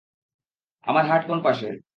আমার হার্ট কোন পাশে?